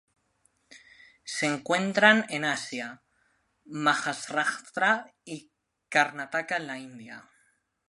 Se encuentran en Asia: Maharashtra y Karnataka en la India.